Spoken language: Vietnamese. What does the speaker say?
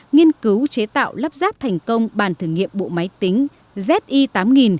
nghiên cứu chế tạo lắp ráp thành công bàn thử nghiệm bộ máy tính zi tám nghìn